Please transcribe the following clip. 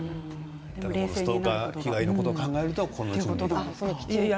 ストーカー被害のことを考えると、こういう準備ですか。